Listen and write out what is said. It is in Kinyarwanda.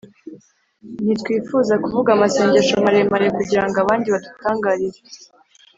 Ntitwifuza kuvuga amasengesho maremare kugira ngo abandi badutangarire